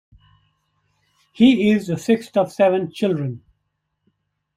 He is the sixth of seven children.